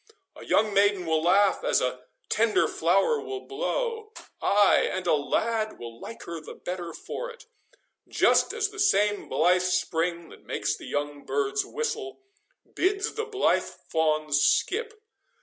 A young maiden will laugh as a tender flower will blow—ay, and a lad will like her the better for it; just as the same blithe Spring that makes the young birds whistle, bids the blithe fawns skip.